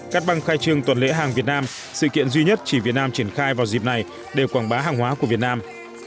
cắt băng khai trương tuần lễ hàng việt nam sự kiện duy nhất chỉ việt nam triển khai vào dịp này để quảng bá hàng hóa của việt nam